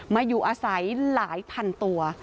มาอยู่อาศัยหลายพันตัว